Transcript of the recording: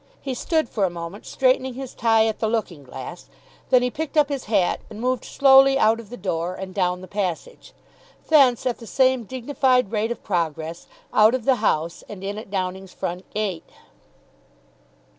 He stood for a moment straightening his tie at the looking glass; then he picked up his hat and moved slowly out of the door and down the passage. Thence, at the same dignified rate of progress, out of the house and in at Downing's front gate.